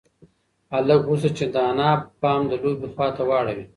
هلک غوښتل چې د انا پام د لوبې خواته واړوي.